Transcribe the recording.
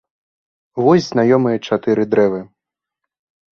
Вось знаёмыя чатыры дрэвы.